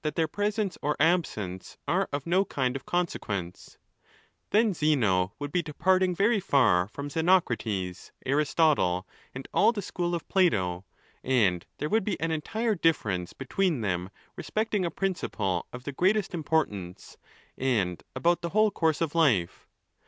their presence or absence are of no kind of consequence; then Zeno would be departing very far from Xenocrates, Aristotle, and all the school of Plato, and there would be an entire difference be tween them respecting a principle of the greatest importance, and about the whole course of life.